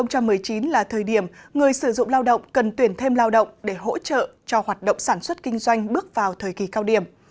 năm hai nghìn một mươi chín là thời điểm người sử dụng lao động cần tuyển thêm lao động để hỗ trợ cho hoạt động sản xuất kinh doanh bước vào thời kỳ cao điểm